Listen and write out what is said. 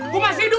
gua masih hidup